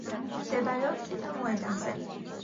მდებარეობს წითელ მოედანზე.